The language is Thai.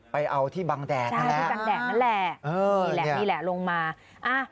ไปเอาที่บังแดงนั่นแหละอืมนี่แหละลงมาค่ะค่ะ